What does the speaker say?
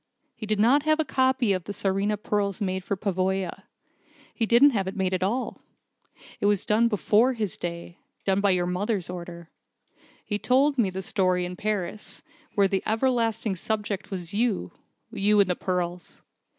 He did not have the copy of the Tsarina pearls made for Pavoya. He didn't have it made at all. It was done before his day done by his mother's order. He told me the story in Paris, where the everlasting subject was you you and the pearls.